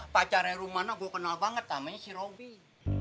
pacarnya rumana gue kenal banget namanya si robin